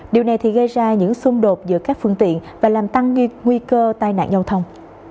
điều này thì gây ra những xung đột giữa các phương tiện và làm tăng nguy cơ tai nạn giao thông